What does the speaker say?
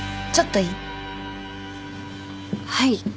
ちょっといい？